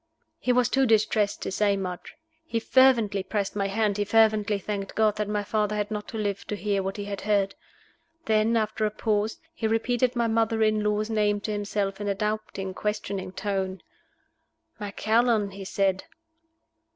He was too distressed to say much. He fervently pressed my hand; he fervently thanked God that my father had not lived to hear what he had heard. Then, after a pause, he repeated my mother in law's name to himself in a doubting, questioning tone. "Macallan?" he said.